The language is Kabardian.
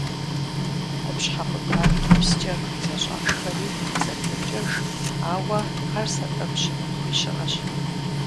Къупщхьэ къутар гипскӏэ зэщӏашхэри зэпокӏэж, ауэ ар сэбэп щымыхъуи щыӏэщ.